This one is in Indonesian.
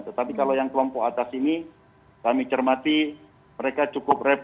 tetapi kalau yang kelompok atas ini kami cermati mereka cukup repot